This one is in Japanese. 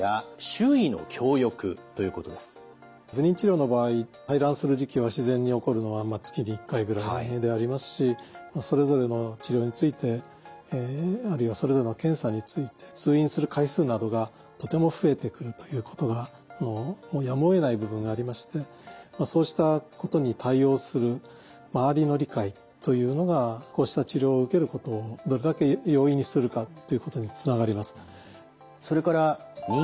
不妊治療の場合排卵する時期は自然に起こるのは月に１回ぐらいでありますしそれぞれの治療についてあるいはそれぞれの検査について通院する回数などがとても増えてくるということがもうやむをえない部分がありましてそうしたことに対応する周りの理解というのがこうした治療を受けることをどれだけ容易にするかということにつながります。